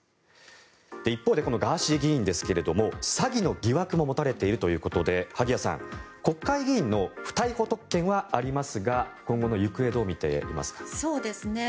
一方で、ガーシー議員ですが詐欺の疑惑も持たれているということで萩谷さん、国会議員の不逮捕特権はありますが今後の行方、どう見ていますか？